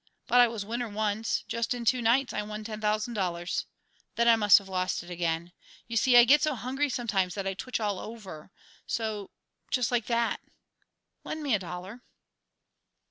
But I was winner once just in two nights I won ten thousand dollars. Then I must have lost it again. You see, I get so hungry sometimes that I twitch all over so, just like that. Lend me a dollar."